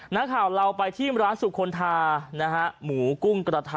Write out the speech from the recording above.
นักข่าวเราไปที่ร้านสุคลทานะฮะหมูกุ้งกระทะ